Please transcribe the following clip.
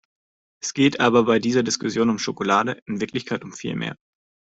Es geht aber bei dieser Diskussion um Schokolade in Wirklichkeit um viel mehr.